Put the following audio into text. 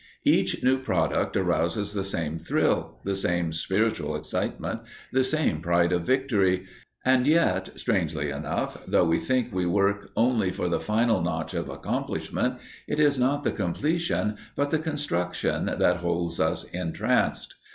Each new product arouses the same thrill, the same spiritual excitement, the same pride of victory, and yet, strangely enough, though we think we work only for the final notch of accomplishment, it is not the completion but the construction that holds us entranced.